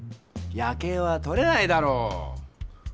夜けいはとれないだろう！